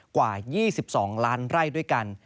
กว่า๒๒ล้านไร่ด้วยกัน